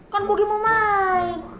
kan bugi mau main